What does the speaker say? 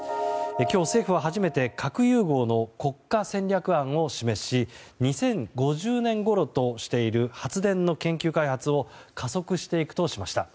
今日、政府は初めて核融合の国家戦略案を示し２０５０年ごろとしている発電の研究開発を加速していくとしました。